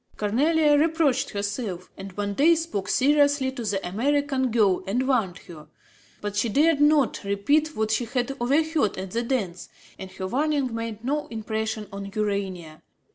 Cornélie reproached herself and one day spoke seriously to the American girl and warned her. But she dared not repeat what she had overheard at the dance; and her warning made no impression on Urania.